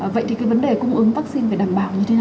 vậy thì cái vấn đề cung ứng vaccine phải đảm bảo như thế nào